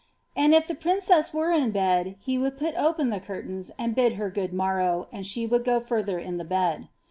And if the princess were in bed, he would put open the curtains and bid her good morrow, and she would go further in the bed.